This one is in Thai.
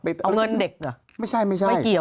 เอาเงินเด็กเหรอไม่เกี่ยวไม่ใช่